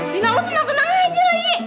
lihat lu tenang tenang aja lagi